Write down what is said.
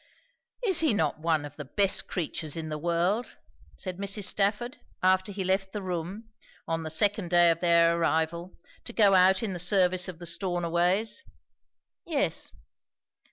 'Is he not one of the best creatures in the world?' said Mrs. Stafford, after he left the room, on the second day of their arrival, to go out in the service of the Stornaways. 'Yes.'